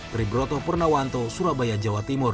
triburoto purnawanto surabaya jawa timur